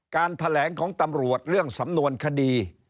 การแถลงของตำรวจเรื่องสำนวนคดี